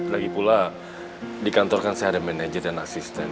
lagipula di kantor kan saya ada manajer dan asisten